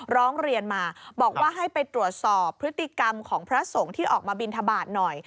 ร้องเรียนมาบอกว่าให้ไปตรวจสอบพฤติกรรมของพระสงฆ์ที่ออกมาบินทบาทหน่อย